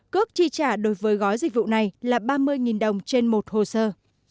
cước chi trả đối với gói dịch vụ này là ba mươi đồng trên một hồ sơ